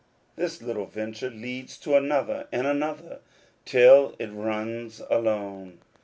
This little venture leads to another and another, till it runs alone.